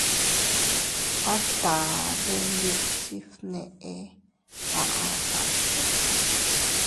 —A taʼa Denyuksi fnee —aʼa Sancho—.